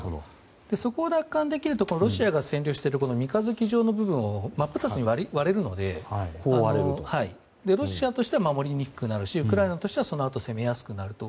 そこを奪還できるとロシアが占領している三日月状の部分を真っ二つに割れるのでロシアとしては守りにくくなるしウクライナとしてはそのあと攻めやすくなると。